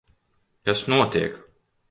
Kas notiek?